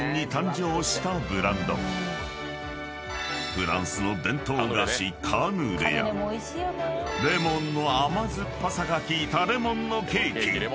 ［フランスの伝統菓子カヌレやレモンの甘酸っぱさが効いたレモンのケーキ］